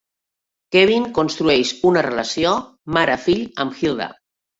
Kevin construeix una relació mare-fill amb Hilda.